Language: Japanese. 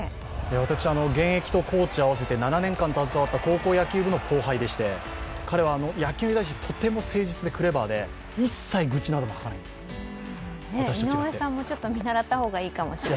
私、現役とコーチ合わせて７年間間携わった高校野球の後輩でして、彼は野球に対して非常に誠実でクレバーで一切愚痴などを吐かない。